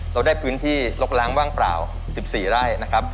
เราได้พื้นที่ลกล้างว่างเปล่า๑๔ไร่นะครับ